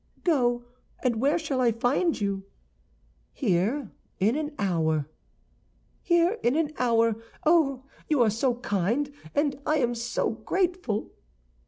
"Go; and where shall I find you?" "Here, in an hour." "Here, in an hour. Oh, you are so kind, and I am so grateful!"